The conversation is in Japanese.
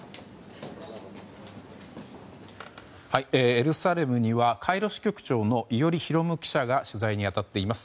エルサレムにはカイロ支局長の伊従啓記者が取材に当たっています。